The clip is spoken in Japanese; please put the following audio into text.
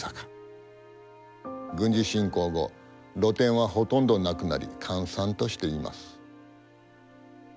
軍事侵攻後露店はほとんどなくなり閑散としています。